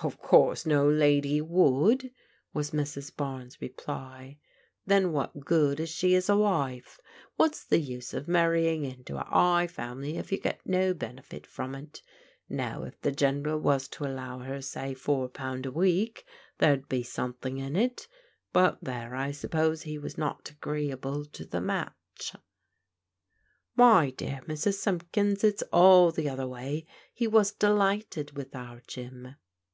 Of course no lady would," was Mrs. Barnes' reply. Then what good is she as a wife? What's the use of marrying into a 'igh family if you get no benefit from it? Now, if the General was to allow her, say, four €€ 300 PRODIGAL DAUGHTERS pound a week, there'd be something in it ; but there, I suppose he was not agreeable to the match." " My dear Mrs. Simpkins, it's all the other way. He was delighted with our Jim."